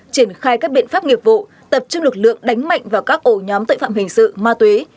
triển khai các biện pháp nghiệp vụ tập trung lực lượng đánh mạnh vào các ổ nhóm tội phạm hình sự ma túy